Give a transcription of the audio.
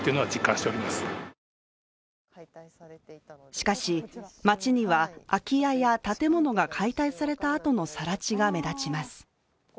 しかし、町には空き家や建物が解体されたあとのさら地が目立ちます。